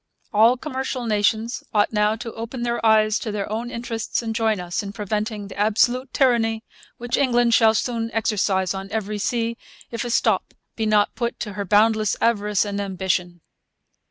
All commercial nations ought now to open their eyes to their own interests and join us in preventing the absolute tyranny which England will soon exercise on every sea if a stop be not put to her boundless avarice and ambition.